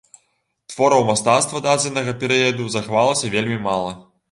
Твораў мастацтва дадзенага перыяду захавалася вельмі мала.